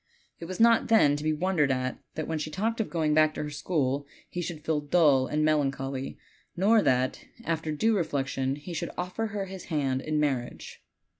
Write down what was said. It was not, then, to be wondered at that when she talked of going back to her school he should feel dull and melancholy, nor that after due reflection, he should offer her his hand ,n mar riage.